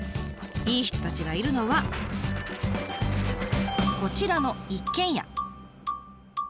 いい人たちがいるのはこちらの一軒家。